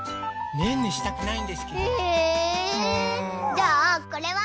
じゃあこれは？